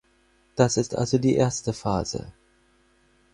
Das ist also die erste Phase.